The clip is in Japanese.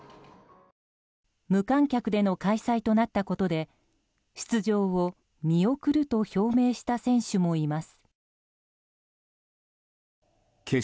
無観客での開催となったことで出場を見送ると表明した選手もいます。